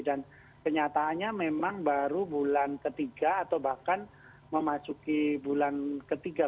dan kenyataannya memang baru bulan ketiga atau bahkan memasuki bulan ketiga